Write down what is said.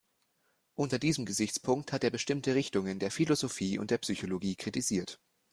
Unter diesem Gesichtspunkt hat er bestimmte Richtungen der Philosophie und der Psychologie kritisiert.